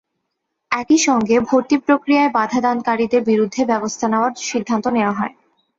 একই সঙ্গে ভর্তি প্রক্রিয়ায় বাধাদানকারীদের বিরুদ্ধে ব্যবস্থা নেওয়ার সিদ্ধান্ত নেওয়া হয়।